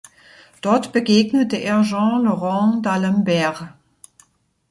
Dort begegnete er Jean le Rond d’Alembert.